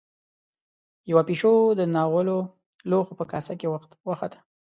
يوه پيشو د ناولو لوښو په کاسه کې وخته.